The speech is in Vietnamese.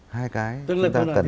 hai cái chúng ta cần điều chỉnh